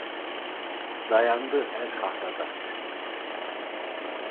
Dayandı her kahra da.